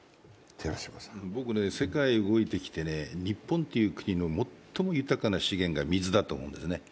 世界が動いてきて、日本という国の最も豊かな資源が水だと思うんですね。